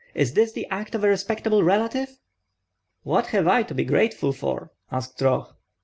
Is this the act of a respectable relative?" "What have I to be grateful for?" asked Roh.